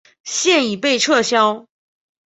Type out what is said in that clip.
现已被撤销。